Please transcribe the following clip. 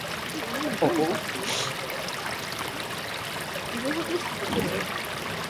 略奪し、凌辱したのちに留置される。